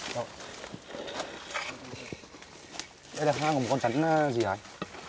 đây là hang của một con rắn gì hả anh